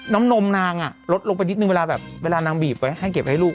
น้ำนมนางอ่ะเหลิกลงไปเวลานางบีบให้เก็บให้ลูก